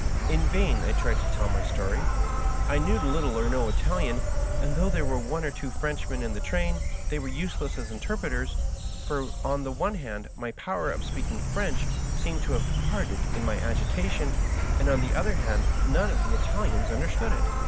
In vain I tried to tell my story. I knew little or no Italian, and, though there were one or two Frenchmen in the train, they were use less as interpreters, for on the one hand my power of speaking French seemed to have departed in my agita tion, and on the other hand none of the Italians under stood it.